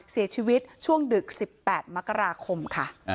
เสียชีวิตช่วงดึก๑๘มกราคมค่ะ